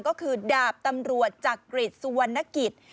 ก็คือดาบตำรวจจักริตสุวรรณกิจ